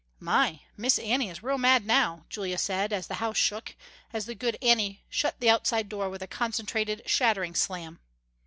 "My, Miss Annie is real mad now," Julia said, as the house shook, as the good Anna shut the outside door with a concentrated shattering slam.